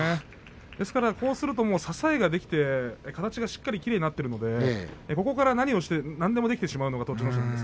ですから、こうすると支えができて形がしっかりきれいになっているのでここからなんでもできてしまう栃ノ心です。